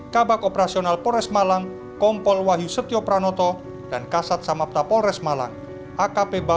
kabak operasional polres malang kompol wahyu setio pranoto dan kasat samapta polres malang akp